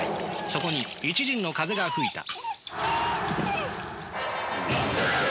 そこに一陣の風が吹いた。